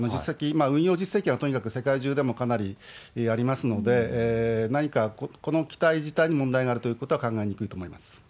運用実績はとにかく、世界中でもかなりありますので、何かこの機体自体に問題があるということは考えにくいと思います。